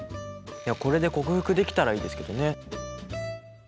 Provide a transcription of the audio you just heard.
いやこれで克服できたらいいですけどね。